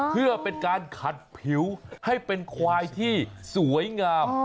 เพื่อเป็นการขัดผิวให้เป็นควายที่สวยงาม